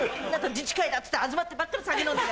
自治会だっつって集まってばっかり酒飲んで。